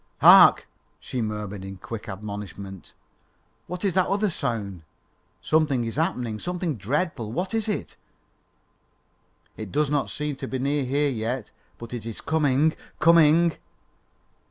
"Hark!" she murmured in quick admonishment; "what is that other sound? Something is happening something dreadful. What is it? It does not seem to be near here yet, but it is coming coming."